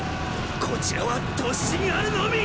こちらは突進あるのみ！